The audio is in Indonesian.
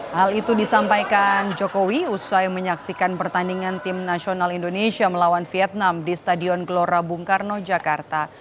hal itu disampaikan jokowi usai menyaksikan pertandingan tim nasional indonesia melawan vietnam di stadion gelora bung karno jakarta